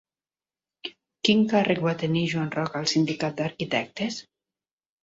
Quin càrrec va tenir Joan Roca al Sindicat d'Arquitectes?